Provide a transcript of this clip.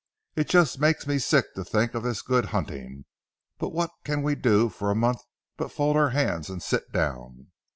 It just makes me sick to think of this good hunting, but what can we do for a month but fold our hands and sit down?